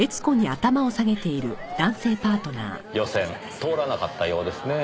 予選通らなかったようですねぇ。